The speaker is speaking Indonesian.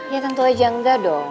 ya tentu aja enggak dong